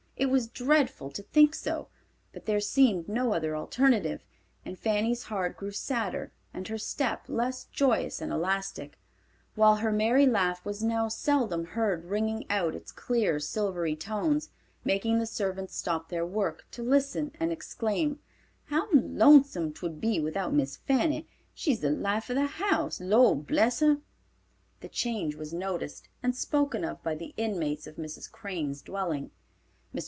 It was dreadful to think so, but there seemed no other alternative, and Fanny's heart grew sadder, and her step less joyous and elastic, while her merry laugh was now seldom heard ringing out in its clear, silvery tones, making the servants stop their work to listen and exclaim, "How lonesome t'would be without Miss Fanny; she's the life of the house, Lor' bless her." The change was noticed and spoken of by the inmates of Mrs. Crane's dwelling. Mr.